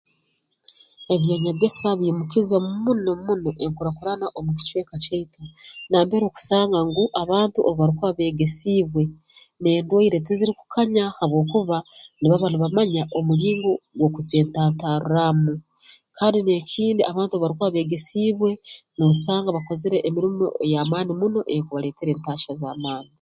Eby'enyegesa biimukize muno muno enkurakurana omu kicweka kyaitu nambere okusanga ngu abantu obu barukuba beegesiibwe n'endwaire tizirukukanya habwokuba nibaba nibamanya omulingo gw'okuzeetantarraamu kandi n'ekindi abantu obu barukuba beegesiibwe noosanga bakozere emirimo ey'amaani muno eyeekubaleetera entahya z'amaani